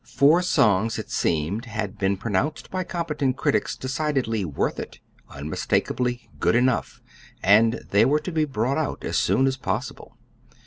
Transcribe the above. Four songs, it seemed, had been pronounced by competent critics decidedly "worth it" unmistakably "good enough"; and they were to be brought out as soon as possible.